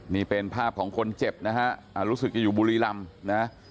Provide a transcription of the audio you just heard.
นี่เป็นภาพของคนเจ็บนะฮะรู้สึกจะอยู่บุรีรำนะ